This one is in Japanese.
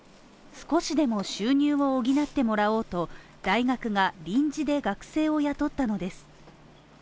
少しでも収入を補ってもらおうと、大学が臨時で学生を雇ったのです。